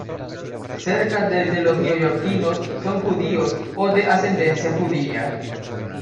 Cerca del de los neoyorquinos son judíos o de ascendencia judía.